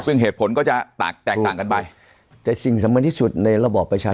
ซึ่งเหตุผลก็จะแตกแตกต่างกันไปแต่สิ่งสำคัญที่สุดในระบอบประชา